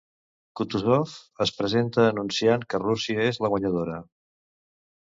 Kutúzov es presenta anunciant que Rússia és la guanyadora.